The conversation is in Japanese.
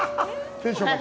テンションが違う。